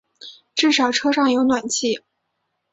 至少车上有暖气